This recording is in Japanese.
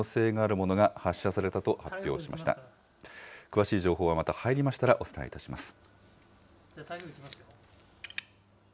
詳しい情報はまた入りましたらお伝えいたします。